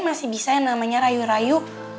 masih bisa yang namanya rayu rayu